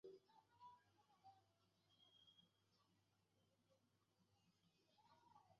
শচীশ কাঁপা গলায় কহিল, শোনো দামিনী, একটা কথা আছে।